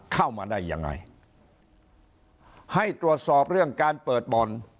เข้ามาได้ยังไงให้ตรวจสอบเรื่องการเปิดบ่อน